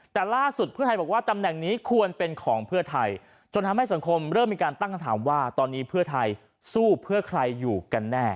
แต่ล่าสุดเพื่อไทยบอกว่าตำแหน่งนี้ควรเป็นของเพื่อไทยจนทำให้สังคมเริ่มมีการตั้งคำถามว่าตอนนี้เพื่อไทยสู้เพื่อใครอยู่กันแน่